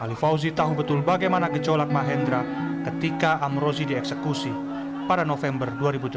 ali fauzi tahu betul bagaimana gejolak mahendra ketika amrozi dieksekusi pada november dua ribu tujuh belas